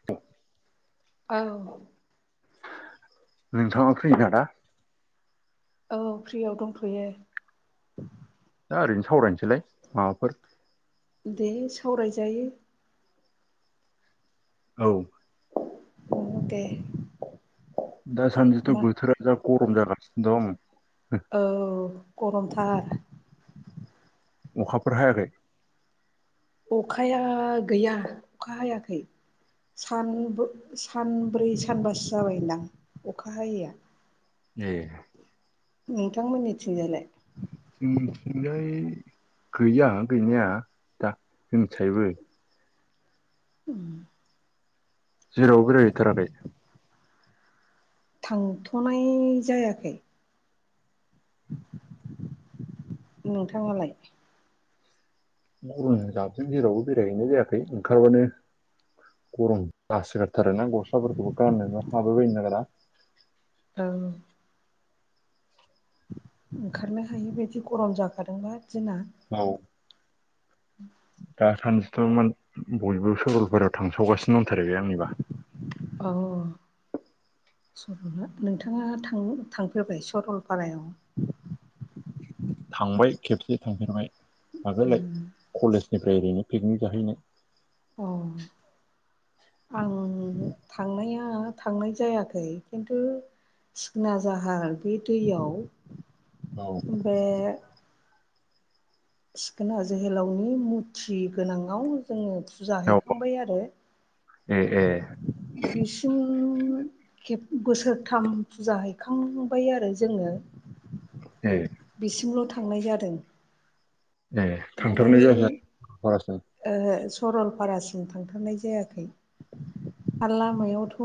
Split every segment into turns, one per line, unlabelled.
[inaudible]
औ
नोंथाङा फ्रीना दा?
औ फ्रियाव दंथ'यो।
दा ओरैनो सावरायनोसैलाय माबाफोर
दे सावरायजायो।
औ
औ दे
दासान्दिथ'
मा
बोथोरा बिराद गरम जागासिनो दं।
औ गरमथार।
अखाफोर हायाखै?
अखाया गैया अखा हायाखै। सान सानब्रै सानबासो जाबायदां अखा हायैया।
ए
नोंथांमोननि थिंजालाय?
जोंथिंजाय गैया गैनाया दा जोंनिथिजायबो
उ
जिरावबो बेरायहैथाराखै?
थांथ'नाय जायाखै। नोंथाङालाय?
गरमजों जाबजों जेरावबो बेरायहैनाय जायाखै ओंखारबानो गरम बासोगारथारोना गस्लाफोरखौबो गाननोनो हाबाय बायनो नागिरा।
औ ओंखारनो हायिबायदि गरम जाखादोंना दिना
औ
[inaudible]
दा सानजथ' मोन बयबो सरलपारायाव थांसावगासिनो दंथारो बे आंनिबा।
अ [unintelligible] नोंथाङा थां-थांफेरबाय सरलपारायाव?
थांबाय खेबसे थांफेरबाय आगोलो कलेजनिफ्राय ओरैनो पिकनिक जाहैनाय।
अ आं थांनाया थांनाय जायाखै खिन्थु सिखोना जाहार बे दैयाव
औ
बे सिखोना जोहोलावनि मुरथि गोनाङाव जोङो फुजा
औ
हैखांबाय आरो
ए ए
बिसिम खेब बोसोरथाम फुजा हैखांबाय आरो जोङो
ए
बिसिमल' थांनाय जादों।
ए
ओरै
थांथारनाय जायाखै आरो‌ सरलपा
ओहो सरलपारासिम थांथारनाय जायाखै। आरो लामायावथ'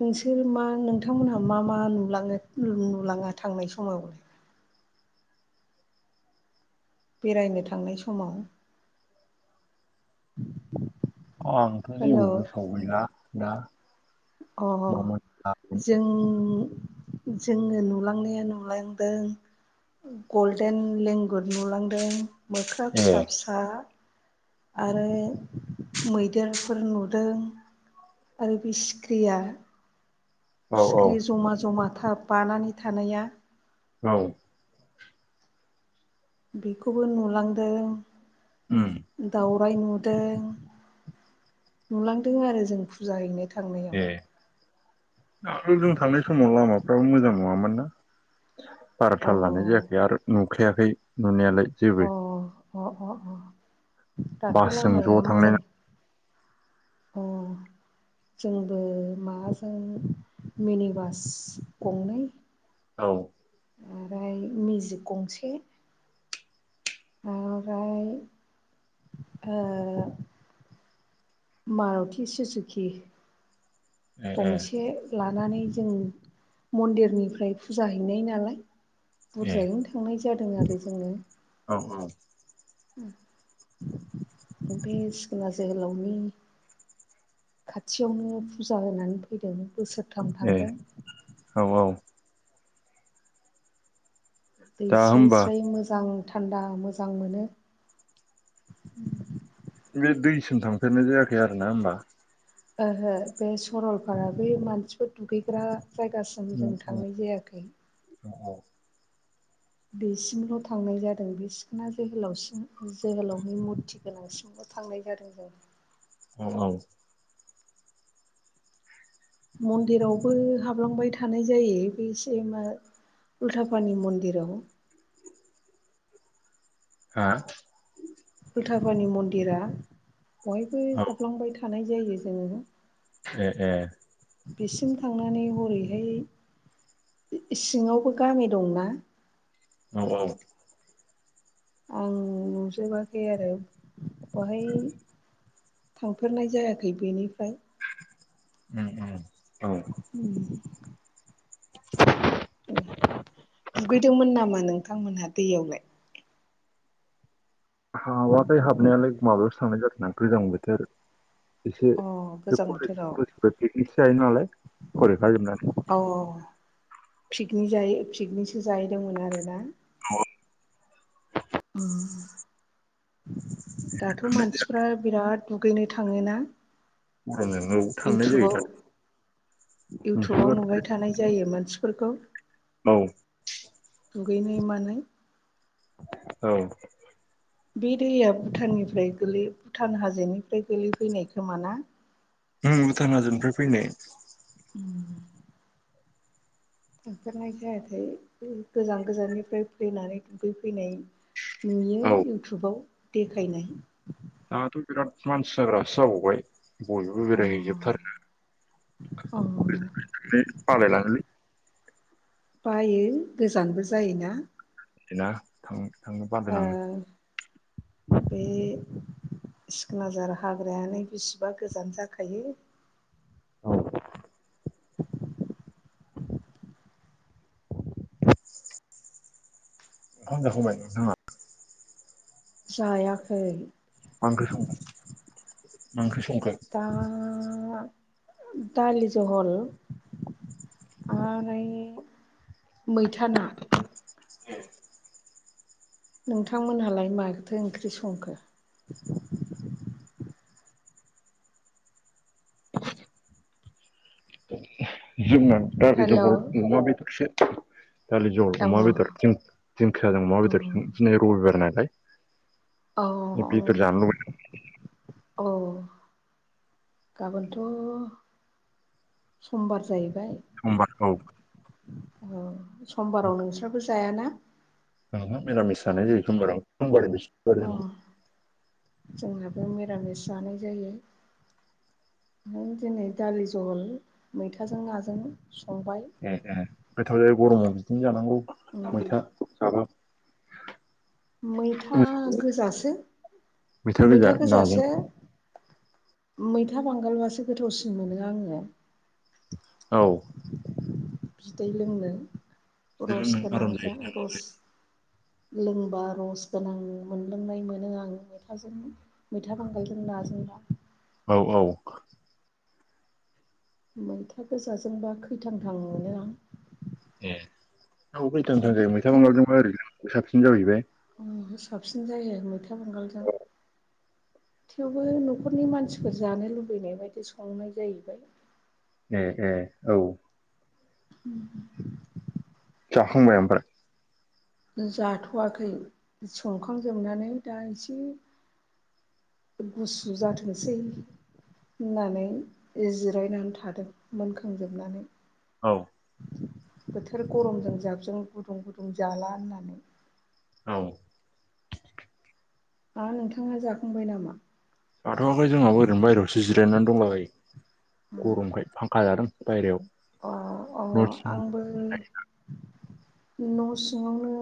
नोंसोर मा नोंथांमोनहा मा मा नुलाङो नुलाङा थांनाय समावलाय? बेरायनो थांनाय समाव [inaudible] '
आंथ' जेबो सावैला दा
अ
मामोन मामोन।
जोंनि जोंङो नुलांनाया नुलांदों गल्डेन लेंगुर नुलांदों मोख्रा
ए
फिसा फिसा आरो मैदेरफोर नुदों आरो बे सिख्रिया
औ औ
सिख्रि जमा जमा थाब बानानै थानाया
औव-
बेखौबो नुलांदों।
उम
दाउराइ नुदों नुलांदों आरो जों फुजा हैनो थांनायाव
दाथ' जों थांनाय समाव लामाफ्राबो मोजां नंङामोन ना बारा
अ
थाल लानाय जायाखै आरो नुखायाखै नुनायालाय जेबो
अ अ अ अ दाथ'
बासजों
लामाया
ज' थांनाय
मोजां। अ जोंबो माबाजों मिनि बास गंनै
औव
ओमफ्राय मेजिक गंसे ओमफ्रायओ- मारुथि सुजुखि
ए ए
गंसे लानानै जों मन्दिरनिफ्राय फुजा हैनाय नालाय
ए
बुरजायैनो थांनाय जादों आरो जोंङो।
औ औ
बे सिखोन जोहोलावनि खाथियावनो फुजा होनानै फैदों बोसोरथाम
ए
थांदों।
औ औ
दै
दा
स्राय
होमबा
स्राय मोजां थान्दा मोजां मोनो।
बे दैसिम थांफेरनाय जायाखै आरो ना होनोमबा।
ओहो बे सरलपारा बै मानसिफोर दुगैग्रा जायगासिम ज जों
उम उम
थांनाय जायाखैय
औ औ
बेसिमल' थांनाय जादों बे सिखोना जोहोलावसि जोहोलावनि मुरथि गोनांसिम थांनाय जादों जों
औव औव
मन्दिरावबो हाबलांबाय थानाय जायो बेसेमा उल्थापानि मन्दिराव
हा
उल्थाफानि मन्दिरा बयबो
औ
हाबलांबाय थानाय जायो जों--ङो
ए ए
बिसिम थांनानै हरैहाय सिंङावबो गामि दंना।
औव औव
आं नुजोबाखै आरो बहाय। थांफेरनाय जायाखै बेनिफ्राइ।
उम उम, औ
उम, दुगैदोमोन नामा नोंथांमोनहा दैयावलाय।
हाबाखै हाबनायालाय माबायावसो थांनाय जादों ना गोजां बोथोर। एसे
अ
बे
गोजां
कलेज
बोथोराव
कलेजनिफ्राय पिकनिकसो जायो नालाय फरायखा जोबनानै,
औ औ पिकनिक जायो पिकनिकसो जाहैदोंमोन आरोना।
औ।
अ दाथ'
थांनाय जाया
मानसिफ्रा बिराद दुगैनो थाङोना।
गरमजों औ थांनाय जायो
इउटुबाव
दा
इउटुबाव नुबाय थानाय जायो मानसिफोरखौ।
औ
दुगैनो मानो
औ
बे दैया भुटाननिफ्राय गोलै भुटान हाजोनिफ्राय गोलै फैनाय खोमाना।
उम भुटान हाजोनिफ्राय फैनाय।
उम थांफेरनाय जायाखै गोजान गोजाननिफ्राय फैनानै दुगैफैनाय नुयो
औ
इउटुबाव देखायनाय।
दाथ' बिराद मानसि जाग्रासो जाबावबाय बयबो बेरायहैजोबथारो।
औ
है बालाय लांहोलै।
बायो गोजानबो जायोना।
दिना थां थांनो बादों
ओ
आङो।
बे सिखोनाजार हाग्रायानो बिसिबा गोजान जाखायो।
औ
[inaudible]
[inaudible] ओंखाम जाखांबाय नोंथाङा।
जायाखै।
मा ओंख्रि संदों मा ओंख्रि संखो।
दा दालि जहल। आनै मैथाना। नोंथांमोनहालाय माखोथो ओंख्रि संखो?
[inaudible] जोंना दालि
हेल'
जगल अमा बेदरसो। दालि जहल
अ
अमा बेदरजों दिंखियाजों अमा
अ
बेदरजों दिनै रबिबार नायालाय बेदर जानो लुबै
औ गाबोनथ' समबार जाहैबाय।
समबार औ।
औ समबाराव नोंसोरबो जायाना।
औ मिरामिस जानाय जायो समबाराव समबारै
अ
[unintelligible]
जोंहाबो मिरामिस जानाय जायो। दिनै दालि जहल मैथाजों नाजों संबाय
ए ए गोथाव जायो गरमाव बिदिनो जानांगौ
उम
मैथा जाबा
मैथा गोजासो
गोजा
मैथा
नाजों
गोजासो मैथा बांगालबासो गोथावसिन मोनो आङो
औ।
बिदै लोंनो रस
बिदिनो नों
गोनां
आराम
जा
जायो
रस लोंबा रस गोनां मोनलोंनाय मोनो आं मैथाजों मैथा बांगगालजों ना जोंबा
औ औ।
मैथा गोजाजोंबा खैथांथां मोनो आं।
ए औ खैथांथां जायो मैथा बांगालजोंबा ओरैजों साबसिन जाहैबाय
ओं साबसिन जायो मैथा बांगालजों थेवबो न'खरनि मानसिफोर जानो लुबैनाय बायदि संनाय जाहैबाय
ए ए औ।
[unintelligible]
जाखांबाय ओमफाय
जाथ'वाखै संखांजोबनानै दा एसे गुसु जाथोंसै होननानै जिरायनानै थादों मोनखांजोबनानै।
औ।
बोथोर गरमजों जाबजों गुदुं गुदुं जाला होननानै।
औ।
मा नोंथाङा जाखांबाय नामा?
जाथ'आखै जोंहाबो ओरैनो बायेरायावसो जिरायनानै दंलाबायो गरमखाय फांखा जादों बायहेरायाव।
अ अ
न' सिङाव
आंबो न' सिङावनो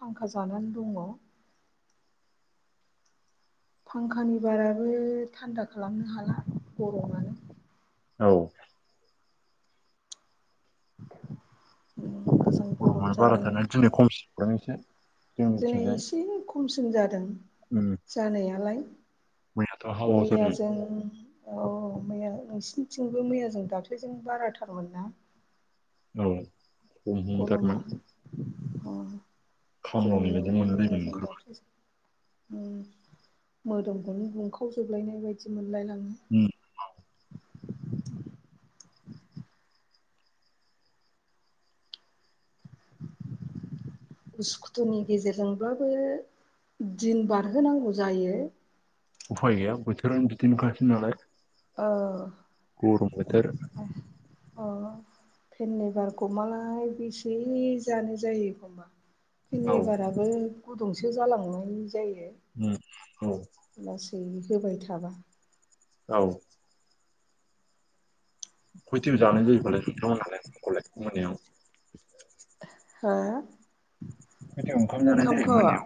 फांखा जानानै दङ। फांखानि बाराबो थान्दा खालामनो हाला गरमानो
औ।
[inaudible]
गर'मानो बारा
जाबायना
थारना दिनै खमसिनदां एसे
दिनै
जोंनिथिंजाय
एसे खमसिन जादों
उम
जानायालाय
मैयाथ' हावा
मैया
जादों
जों औ मैया नोंसिनिथिंबो मैयाजों दाख्लैजों बाराथारमोन ना?
औ। खम
गरमा
हमथारमोन
अह
खामलावनाय बायदि
जोंनिआवबो मैया
मोनलायबाय
जों
ओंखारबा
दाख्लैजों ओं मोदोमखौनो गुंखावजोबलायनाय बायदि मोनलायलाङो।
उम
उसुखुथुनि गेजेरजोंब्लाबो दिन बारहोनांगौ जायो
उफाय गैया बोथोरानो बिदिनोखासै नालाय।
ओ
गर बोथोर।
आह अ‌ अ फेननि बारगमालाय बेसे जानो जायो एखमबा
औ
फुंनि बाराबो गुदुंसो जालांनाय जायो
ओं ओं औ
लासै होबाय थाबा
औ कइटिभ जानाय जायो फालाय नोंथां मोनालाय [unintelligible] मोनायाव
हो
खयथायाव ओंखाम जानाय
ओंखामख
जायो मोनायाव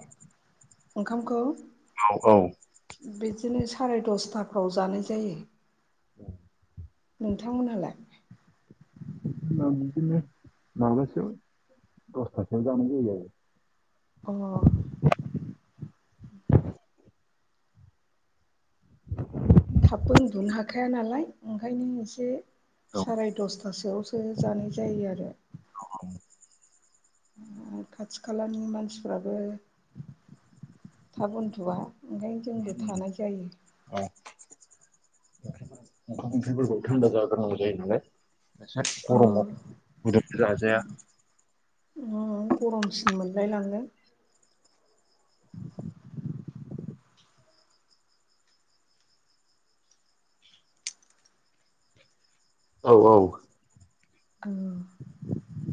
ओंखामखौ
औ औ
बिदिनो साराय दसथाफ्राव जानाय जायो
ओम
नोंथांमोनहालाय
आं बिदिनो माबासोआव दसथासोआव जानाय जायो आरो
अ थाबबो उन्दुनो हाखाया नालाय ओंखायनो एसे
आरो औ
साराय दसथासोआव ओ जानाय जायो आरो।
औ औ
खाथि खालानि मानसिफ्राबो थाब उन्दु'आ ओंखायनो
उम
जोंबो
उम
थानाय जायो।
[inaudible] ओंखाम ओंख्रि फोरखौ जाहो गोरनांगौ नालाय खायसे
औ
गरमाव गुदुं जाजाया
ओम गरमसिन मोनलाय लांगोन।
औ औ
औ